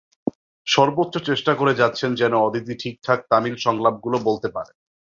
সর্বোচ্চ চেষ্টা করে যাচ্ছেন যেন অদিতি ঠিকঠাক তামিল সংলাপগুলো বলতে পারেন।